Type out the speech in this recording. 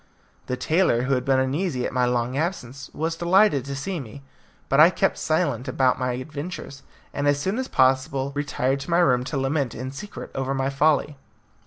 The tailor, who had been uneasy at my long absence, was, delighted to see me; but I kept silence about my adventure, and as soon as possible retired to my room to lament in secret over my folly.